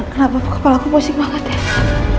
kenapa kepala aku pusing banget ya